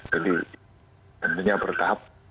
jadi tentunya bertahap